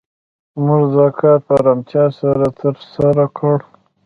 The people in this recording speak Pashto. موږ دا کار په آرامتیا تر سره کړ.